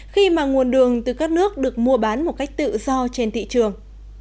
khi mà nguồn đường từ các nước được mua bán một cách tự do trên thị trường